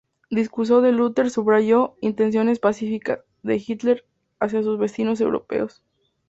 Discurso de Luther subrayó "intenciones pacíficas" de Hitler hacia sus vecinos europeos.